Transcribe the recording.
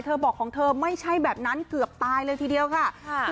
บอกของเธอไม่ใช่แบบนั้นเกือบตายเลยทีเดียวค่ะ